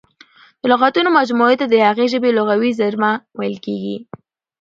د لغاتونو مجموعې ته د هغې ژبي لغوي زېرمه ویل کیږي.